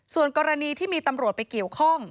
ส่วนกรณีที่มีตำรวจไปเกี่ยวข้อง